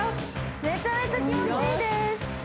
めちゃめちゃ気持ちいいです